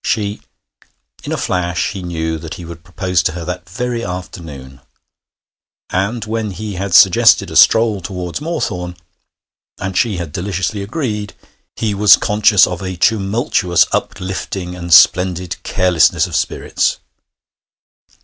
She.... In a flash he knew that he would propose to her that very afternoon. And when he had suggested a stroll towards Moorthorne, and she had deliciously agreed, he was conscious of a tumultuous uplifting and splendid carelessness of spirits.